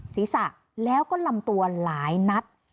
ศีรษะแล้วก็ลำตัวหลายนัด